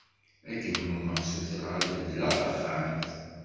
Akken nummeɣ sutreɣ ad beddleɣ taxxamt.